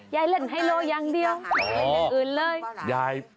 ยายเล่นไฮโล่อย่างเดียวไม่เล่นอื่นเลย